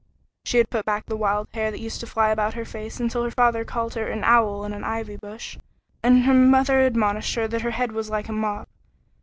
She had put back the wild hair that used to fly about her face until her father called her "An owl in an ivy bush" and her mother admonished her that her "head was like a mop."